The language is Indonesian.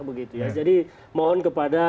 begitu ya jadi mohon kepada